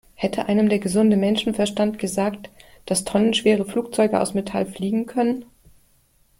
Hätte einem der gesunde Menschenverstand gesagt, dass tonnenschwere Flugzeuge aus Metall fliegen können?